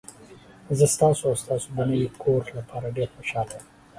زه ستاسو او ستاسو د نوي کور لپاره ډیر خوشحاله یم.